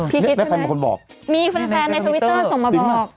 พี่กิ๊กตัวไหนมีแฟนในทวิตเตอร์ส่งมาบอก